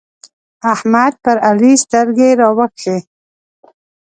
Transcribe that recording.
احمد پر علي سترګې راوکښې.